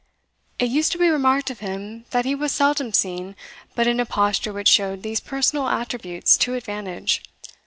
It used to be remarked of him, that he was seldom seen but in a posture which showed these personal attributes to advantage.